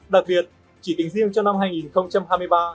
đặc biệt chỉ tính riêng cho năm hai nghìn hai mươi ba